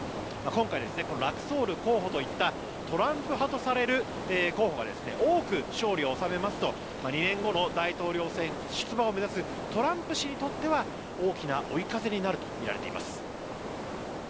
今回、ラクソール候補といったトランプ派とされる候補が多く勝利を収めますと２年後の大統領選出馬を目指すトランプ氏にとっては大きな追い風になるとみられています。